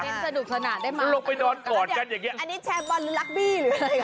เน้นสนุกสนานได้มากอันนี้แชร์บอลหรือลักบี้หรืออะไรคะ